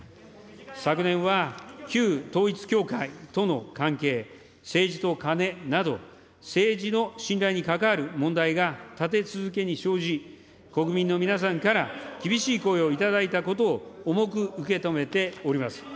昨年は旧統一教会との関係、政治とカネなど、政治の信頼に関わる問題が立て続けに生じ、国民の皆さんから厳しい声を頂いたことを重く受け止めております。